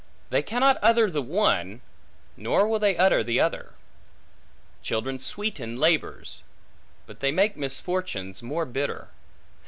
They cannot utter the one; nor they will not utter the other. Children sweeten labors; but they make misfortunes more bitter.